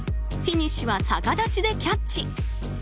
フィニッシュは逆立ちでキャッチ。